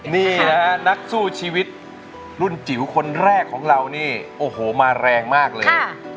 นี่นะฮะนักสู้ชีวิตรุ่นจิ๋วคนแรกของเรานี่โอ้โหมาแรงมากเลย